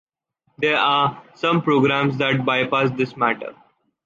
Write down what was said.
There are some programs that bypass this matter.